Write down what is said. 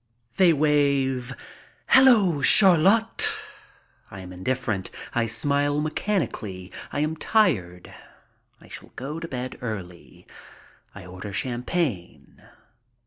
They wave, "Hello, Chariot!" I am indifferent. I smile mechanically. I am tired. I shall go to bed early. I order champagne.